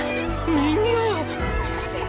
みんなッ！！